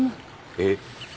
えっ。